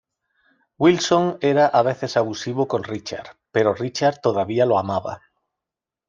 Wilson era a veces abusivo con Richard, pero Richard todavía lo amaba.